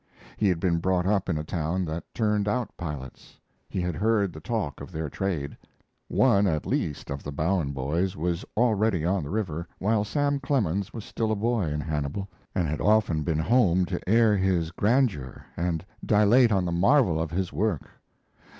He had been brought up in a town that turned out pilots; he had heard the talk of their trade. One at least of the Bowen boys was already on the river while Sam Clemens was still a boy in Hannibal, and had often been home to air his grandeur and dilate on the marvel of his work.